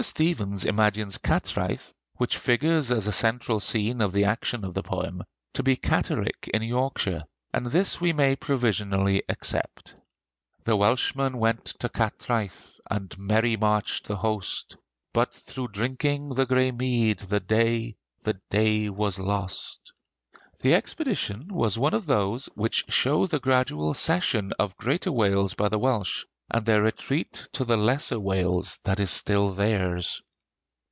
Stephens imagines Cattraeth, which figures as a central scene of the action of the poem, to be Catterick in Yorkshire; and this we may provisionally accept. "The Welshmen went to Cattraeth; and merry marched the host. But thro' drinking the gray mead, the day the day was lost." The expedition was one of those which show the gradual cession of greater Wales by the Welsh, and their retreat to the lesser Wales that is still theirs.